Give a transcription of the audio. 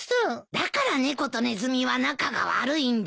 だから猫とネズミは仲が悪いんだ。